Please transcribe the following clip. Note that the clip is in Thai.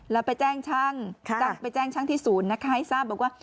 แล้วไปแจ้งช่างที่ศูนย์ให้ทราบบอกว่า